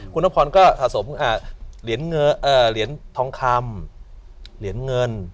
คุณนพรก็สะสมเหรียญทองคำเหรียญเงิน